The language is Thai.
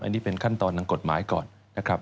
อันนี้เป็นขั้นตอนทางกฎหมายก่อนนะครับ